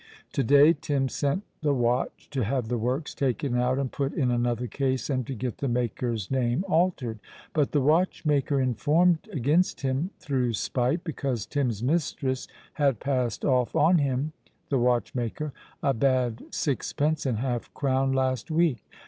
To day Tim sent the watch to have the works taken out and put in another case and to get the maker's name altered; but the watch maker informed against him through spite, because Tim's mistress had passed off on him (the watch maker) a bad sixpence and half crown last week.